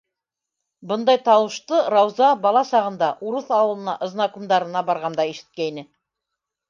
Бындай тауышты Рауза бала сағында урыҫ ауылына ызнакумдарына барғанда ишеткәйне.